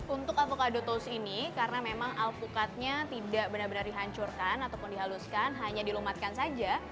untuk avocado toast ini karena memang alpukatnya tidak benar benar dihancurkan ataupun dihaluskan hanya dilumatkan saja